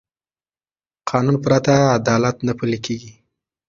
قانون پرته عدالت نه پلي کېږي